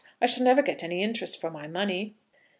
I shall never get any interest for my money."